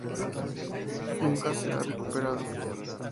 Nunca se ha recuperado.